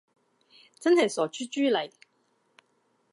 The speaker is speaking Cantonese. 真係傻豬豬嚟